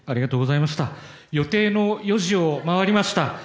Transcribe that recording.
予定の４時を回りました。